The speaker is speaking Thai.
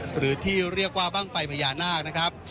หรือที่เรียกว่าบ้างไฟพญานาคนะครับ